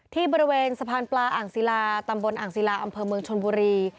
ที่บริเวณสะพานปลาอ่างศิลาตำบลอ่างศิลาอำเภอเมืองชนบุรี